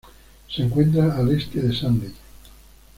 Se encuentra al este de Sandy.